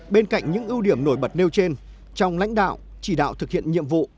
bên cạnh những ưu điểm nổi bật nêu trên trong lãnh đạo chỉ đạo thực hiện nhiệm vụ